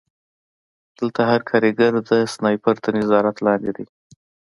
دلته هر کارګر د سنایپر تر نظارت لاندې دی